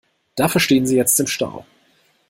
Dafür stehen sie jetzt im Stau.